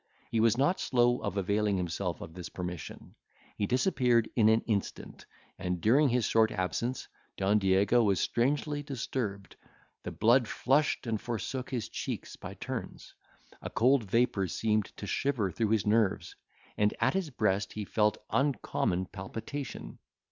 He was not slow of availing himself of this permission. He disappeared in an instant, and, during his short absence, Don Diego was strangely disturbed The blood flushed and forsook his cheeks by turns; a cold vapour seemed to shiver through his nerves; and at his breast he felt uncommon palpitation.